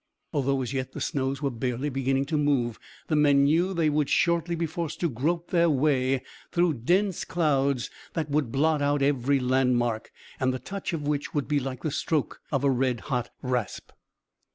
Although as yet the snows were barely beginning to move, the men knew they would shortly be forced to grope their way through dense clouds that would blot out every landmark, and the touch of which would be like the stroke of a red hot rasp.